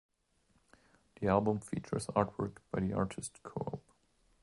The album features artwork by the artist Coop.